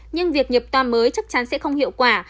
nhưng việc nhập tòa mới chắc chắn sẽ không hiệu quả